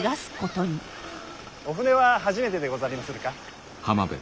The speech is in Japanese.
お舟は初めてでござりまするか？